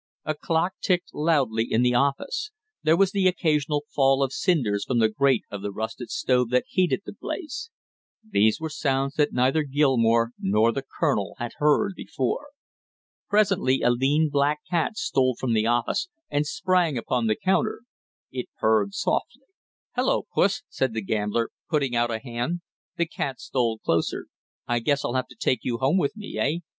A clock ticked loudly in the office; there was the occasional fall of cinders from the grate of the rusted stove that heated the place; these were sounds that neither Gilmore nor the colonel had heard before. Presently a lean black cat stole from the office and sprang upon the counter; it purred softly. "Hello, puss!" said the gambler, putting out a hand. The cat stole closer. "I guess I'll have to take you home with me, eh?